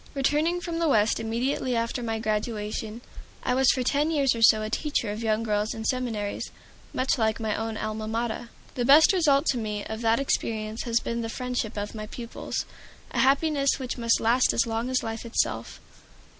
Returning from the West immediately after my graduation, I was for ten years or so a teacher of young girls in seminaries much like my own Alma Mater. The best result to me of that experience has been the friendship of my pupils, a happiness which must last as long as life itself.